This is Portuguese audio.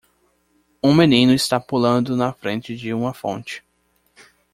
Um menino está pulando na frente de uma fonte.